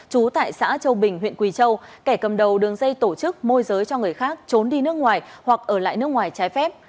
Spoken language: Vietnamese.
trú tại xã châu bình huyện quỳ châu kẻ cầm đầu đường dây tổ chức môi giới cho người khác trốn đi nước ngoài hoặc ở lại nước ngoài trái phép